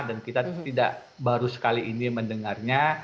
dan kita tidak baru sekali ini mendengarnya